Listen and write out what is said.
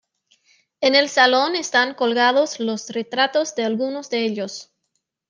En el salón están colgados los retratos de algunos de ellos.